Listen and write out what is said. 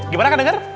gimana kan denger